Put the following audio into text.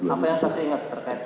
apa yang saksi ingat terkait